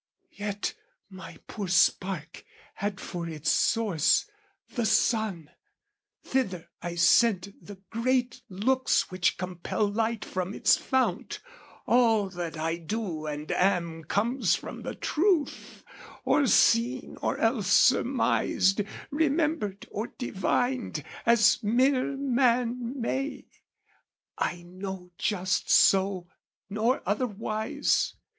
Yet my poor spark had for its source, the sun; Thither I sent the great looks which compel Light from its fount: all that I do and am Comes from the truth, or seen or else surmised, Remembered or divined, as mere man may: I know just so, nor otherwise.